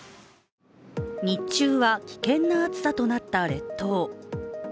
日中は危険な暑さとなった列島。